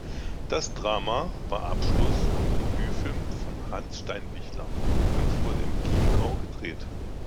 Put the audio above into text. Das Drama war Abschluss- und Debütfilm von Hans Steinbichler und wurde im Chiemgau gedreht.